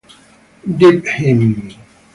Dig Him!